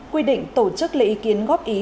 quy định tổ chức lấy ý kiến góp ý